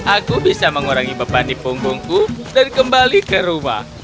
aku bisa mengurangi beban di punggungku dan kembali ke rumah